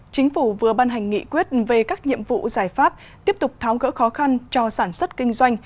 chính phủ vừa ban hành nghị quyết về các nhiệm vụ giải pháp tiếp tục tháo gỡ khó khăn cho sản xuất kinh doanh